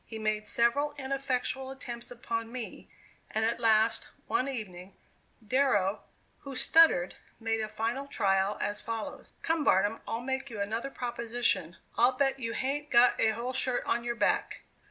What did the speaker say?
He made several ineffectual attempts upon me, and at last, one evening, Darrow, who stuttered, made a final trial as follows: "Come, Barnum, I'll make you another proposition; I'll bet you hain't got a whole shirt on your back."